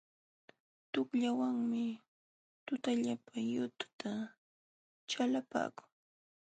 Tuqllawanmi tutallapa yututa chalapaakun.